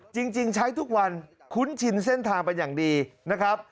จริงใช้ทุกวันคุ้นชินเส้นทางเป็นอย่างดีนะครับ